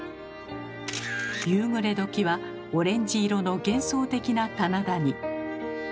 夕暮れ時はオレンジ色の幻想的な棚田に。